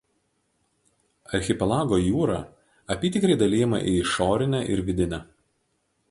Archipelago jūra apytikriai dalijama į išorinę ir vidinę.